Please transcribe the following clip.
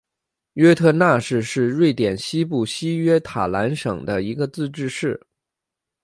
约特讷市是瑞典西部西约塔兰省的一个自治市。